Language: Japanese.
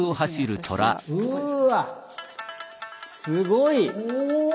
すごい。